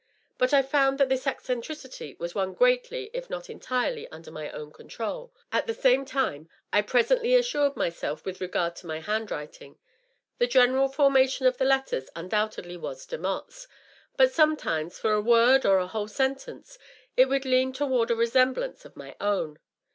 But I found that this eccentricity was one greatly if not entirely under my own control. And the same, I presently assured myself, with r^ard to my handwriting. The general formation of the letters undoubtedly was Demotte's; but sometimes, for a word or a whole sentence, it would lean toward a resemblance of my own.